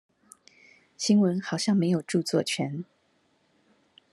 新聞好像沒有著作權